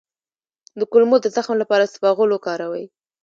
د کولمو د زخم لپاره اسپغول وکاروئ